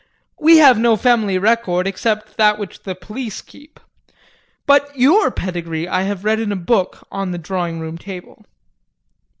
We have no family record except that which the police keep. But your pedigree I have read in a book on the drawing room table.